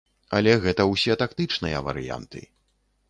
Але гэта ўсе тактычныя варыянты.